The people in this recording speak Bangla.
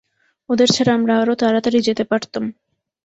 ওদের ছাড়া আমরা আরো তাড়াতাড়ি যেতে পারতাম।